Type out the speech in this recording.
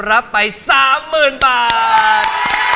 รับไปสามหมื่นบาท